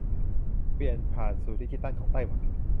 เปลี่ยนผ่านสู่ดิจิทัลของไต้หวัน